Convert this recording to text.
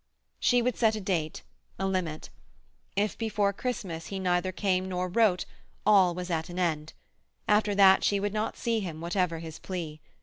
She would set a date, a limit. If before Christmas he neither came nor wrote all was at an end; after that she would not see him, whatever his plea.